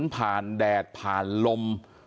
ผ่านแดดผ่านลม